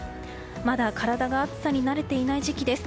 まだ体が暑さに慣れていない時期です。